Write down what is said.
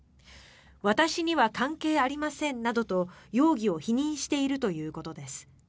私には関係ありませんなどと容疑を否認しているということです。